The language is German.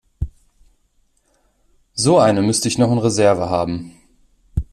So eine müsste ich noch in Reserve haben.